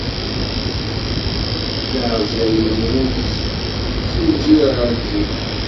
Leɛzayem n wul-is, si lǧil ɣer lǧil.